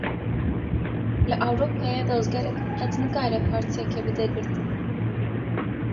Li Ewropayê dozgerek, qet nikare partiyekê bide girtin